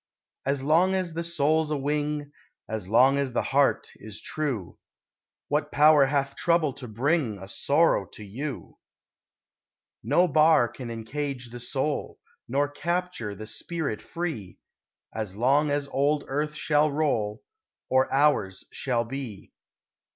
As long as the soul's a wing, As long as the heart is true, What power hath trouble to bring A sorrow to you? No bar can encage the soul, Nor capture the spirit free, As long as old earth shall roll, Or hours shall be.